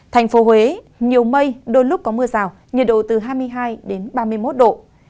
thành phố huế nhiều mây đôi lúc có mưa rào nhiệt độ từ hai mươi hai đến hai mươi năm độ